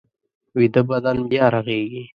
ویده بدن بیا رغېږي